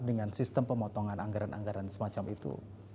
dengan sistem pemotongan anggaran anggaran semacam itu